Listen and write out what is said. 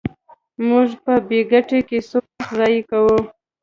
موږ په بې ګټې کیسو وخت ضایع کوو.